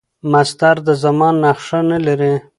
مصدر د زمان نخښه نه لري.